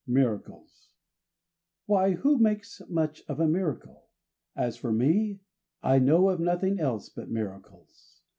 Miracles "Why, who makes much of a miracle? As for me, I know of nothing else but miracles.